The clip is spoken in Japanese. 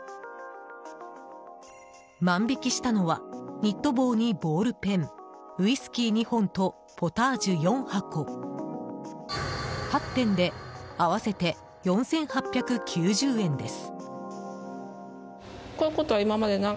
万引きしたのはニット帽にボールペンウイスキー２本とポタージュ４箱８点で、合わせて４８９０円です。